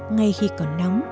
ngay khi còn nóng